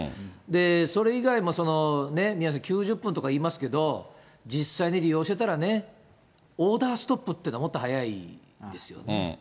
それ以外にも、宮根さん、９０分とかいいますけど、実際に利用してたらね、オーダーストップっていうのは、もっと早いですよね。